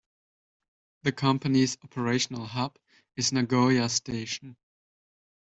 The company's operational hub is Nagoya Station.